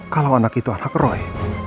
kalau anak itu anak roy